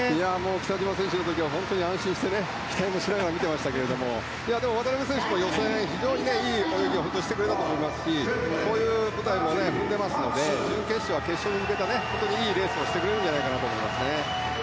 北島選手の時は期待しながら見てましたけど渡辺選手も予選で非常にいい泳ぎをしてくれたと思いますしこういう舞台も踏んでいますので準決勝は決勝に向けたいいレースをしてくれるんじゃないかなと思いますね。